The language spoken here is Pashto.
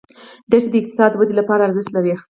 دښتې د اقتصادي ودې لپاره ارزښت لري.